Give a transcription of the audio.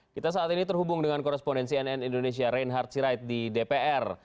kita saat ini terhubung dengan korespondensi nn indonesia reinhard sirait di dpr